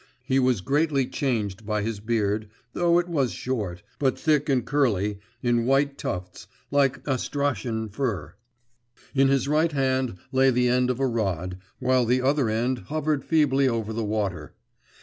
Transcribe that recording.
He was greatly changed by his beard, though it was short, but thick and curly, in white tufts, like Astrachan fur. In his right hand lay the end of a rod, while the other end hovered feebly over the water.